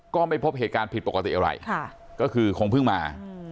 ก็ไม่พบเหตุการณ์ผิดปกติอะไรก็คือคงเพิ่งมา